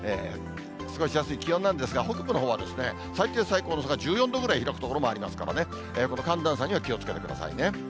過ごしやすい気温なんですが、北部のほうはですね、最低、最高の差が１４度ぐらい開く所もありますからね、この寒暖差には気をつけてくださいね。